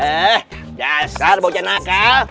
eh jasar bocah nakal